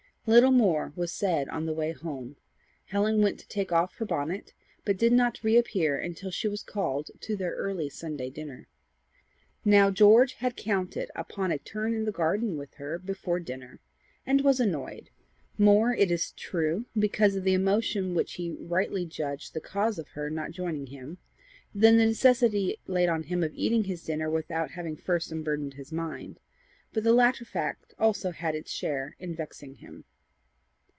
Little more was said on the way home. Helen went to take off her bonnet, but did not re appear until she was called to their early Sunday dinner. Now George had counted upon a turn in the garden with her before dinner, and was annoyed more, it is true, because of the emotion which he rightly judged the cause of her not joining him, than the necessity laid on him of eating his dinner without having first unburdened his mind; but the latter fact also had its share in vexing him.